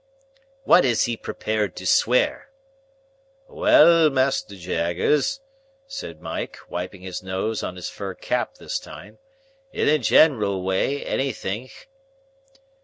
"What is he prepared to swear?" "Well, Mas'r Jaggers," said Mike, wiping his nose on his fur cap this time; "in a general way, anythink."